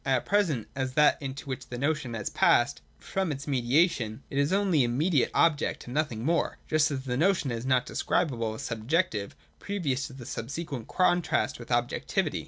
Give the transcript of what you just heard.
At present, as that into which the notion has passed from its mediation, it is only immediate object and nothing more, just as the 33° THE DOCTRINE OF THE NOTION. [193. notion is not describable as subjective, previous to the subsequent contrast with objectivity.